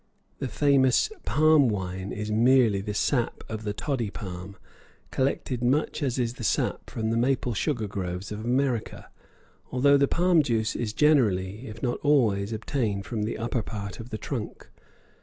The famous "palm wine" is merely the sap of the toddy palm, collected much as is the sap from the maple sugar groves of America, although the palm juice is generally, if not always, obtained from the upper part of the trunk.